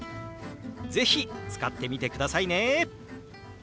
是非使ってみてくださいね！